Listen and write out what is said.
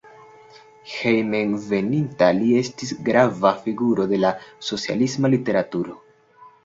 Hejmenveninta li estis grava figuro de la socialisma literaturo.